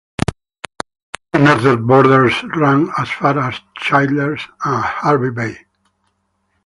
The northern borders ran as far as Childers and Hervey Bay.